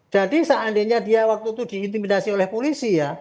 jadi seandainya dia waktu itu diintimidasi oleh polisi